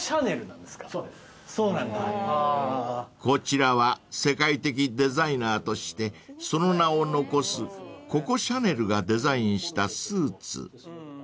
［こちらは世界的デザイナーとしてその名を残すココ・シャネルがデザインしたスーツ］